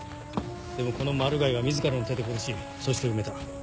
でもこのマルガイは自らの手で殺しそして埋めた。